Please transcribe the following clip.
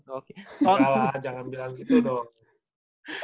oh salah jangan bilang gitu dong